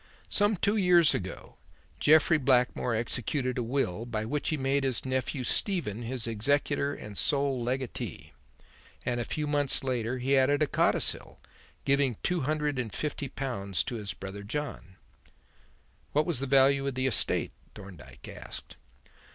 "Some two years ago, Jeffrey Blackmore executed a will by which he made his nephew Stephen his executor and sole legatee; and a few months later he added a codicil giving two hundred and fifty pounds to his brother John." "What was the value of the estate?" Thorndyke asked.